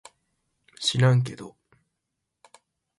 しらんけど